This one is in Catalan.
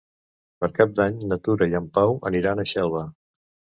Per Cap d'Any na Tura i en Pau aniran a Xelva.